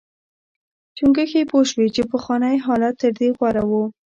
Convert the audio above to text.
چنګښې پوه شوې چې پخوانی حالت تر دې غوره و.